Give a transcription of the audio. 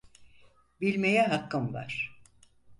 Bilmeye hakkım var.